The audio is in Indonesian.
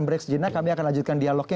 break sejenak kami akan lanjutkan dialognya